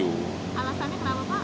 alasannya kenapa pak